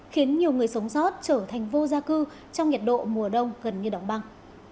khiến nhiều người sống sót trở thành vô gia cư trong nhiệt độ mùa đông gần như đóng băng